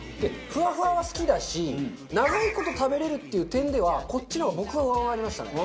ふわふわは好きだし長い事食べられるっていう点ではこっちの方が僕は上回りましたね。